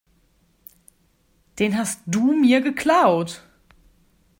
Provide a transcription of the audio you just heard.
Den hast du mir geklaut.